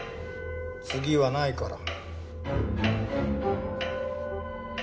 次はないから。